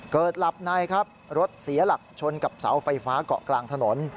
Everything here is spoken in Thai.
หลับในครับรถเสียหลักชนกับเสาไฟฟ้าเกาะกลางถนน